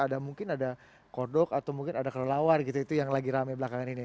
ada mungkin ada kodok atau mungkin ada kelelawar gitu itu yang lagi rame belakangan ini